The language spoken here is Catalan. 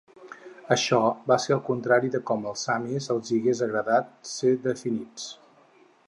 Això va ser el contrari de com els samis els hi hagués agradat ser definits.